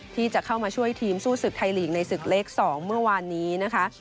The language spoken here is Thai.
ที่จะเข้ามาช่วยทีมสู้ศึกไทยลีกในศึกเล็ก๒เมื่อวานนี้นะคะ